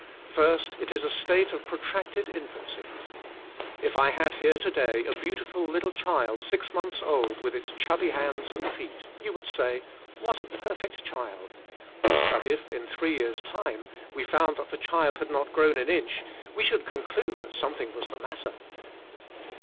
1. It is a state of protracted infancy. If I had here today a beautiful little child six months old with its chubby hands and feet, you would say "What a perfect child," but if in three years time we found that the child had not grown an inch we 4 THE SPIRITUAL LIFE. should conclude that something was the matter.